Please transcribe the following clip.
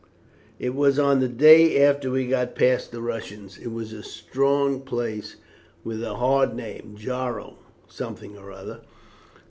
"It was on the day after we got past the Russians. It was a strong place with a hard name Jaro something or other.